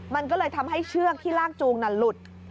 มันก็เลยทำให้เชือกที่ลากจูงนั้นหลุด